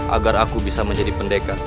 agar aku bisa menjadi pendekat